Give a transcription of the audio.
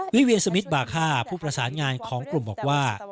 เวียสมิทบาคาผู้ประสานงานของกลุ่มบอกว่า